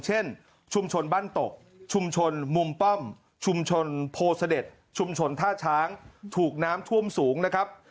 เช่นชุมชนบ้านตกชุมชนมุมป้อมชุมชนโพเสด็จชุมชนท่าช้างถูกน้ำท่วมสูงนะครับ